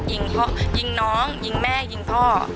ยิงน้องยิงแม่ยิงพ่อ